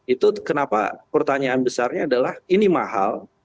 itu kenapa pertanyaan besarnya adalah ini mahal